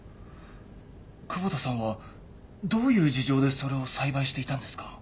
窪田さんはどういう事情でそれを栽培していたんですか？